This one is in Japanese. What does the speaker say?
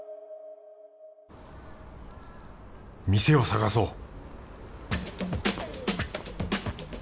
店を探そう